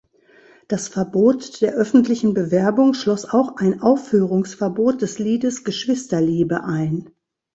Das Verbot der öffentlichen Bewerbung schloss auch ein Aufführungsverbot des Liedes "Geschwisterliebe" ein.